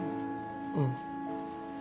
うん。